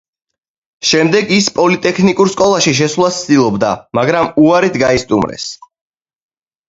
შემდეგ ის პოლიტექნიკურ სკოლაში შესვლას ცდილობდა, მაგრამ უარით გაისტუმრეს.